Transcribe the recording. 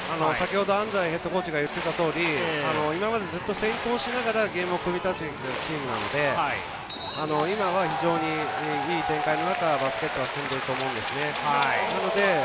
安齋ヘッドコーチが言ってた通り、今までずっと先行しながらゲームを組み立てていたチームなので、今は非常にいい展開の中、バスケットは進んでいると思います。